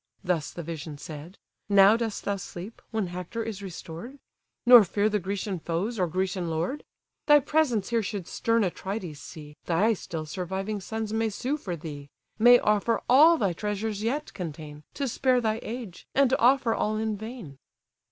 (thus the vision said:) Now dost thou sleep, when Hector is restored? Nor fear the Grecian foes, or Grecian lord? Thy presence here should stern Atrides see, Thy still surviving sons may sue for thee; May offer all thy treasures yet contain, To spare thy age; and offer all in vain."